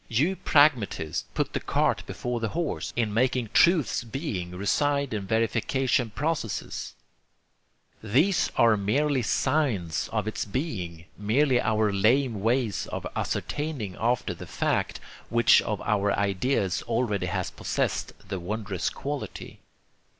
You pragmatists put the cart before the horse in making truth's being reside in verification processes. These are merely signs of its being, merely our lame ways of ascertaining after the fact, which of our ideas already has possessed the wondrous quality.